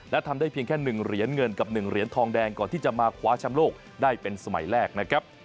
และทำได้เพียงแค่๑เหรียญเงินกับ๑เหรียญทองแดงก่อนที่จะมาคว้าชำโลกได้เป็นสมัยแรกนะครับ